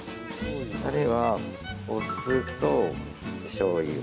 たれは、お酢としょうゆ。